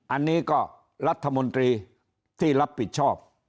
อันนี้ก็รัฐมนตรีที่รับผิดชอบ